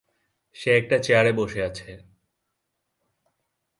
সে একটা চেয়ারে বসে আছে।